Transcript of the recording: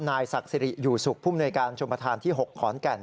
นายศักดิ์สิริอยู่สุขผู้มนวยการชมประธานที่๖ขอนแก่น